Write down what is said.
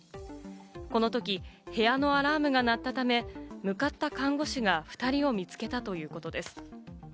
このとき、部屋のアラームが鳴ったため、向かった看護師が２人を見つけたということです。